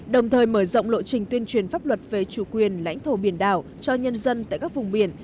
đồng thời mở rộng lộ trình tuyên truyền pháp luật về chủ quyền lãnh thổ biển đảo cho nhân dân tại các vùng biển